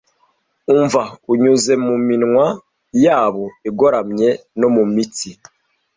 Umva unyuze mu minwa yabo igoramye no mu mitsi